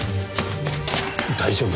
大丈夫？